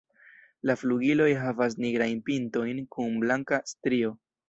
La flugiloj havas nigrajn pintojn kun blanka strio.